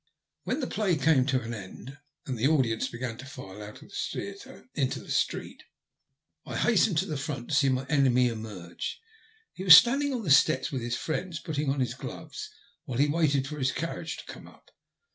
When the play came to an end, and the audience began to file out of the theatre into the street, I hastened to the front to see my enemy emerge. He was standing on the steps, with his friends, putting on his gloves, while he waited for his carriage to come up.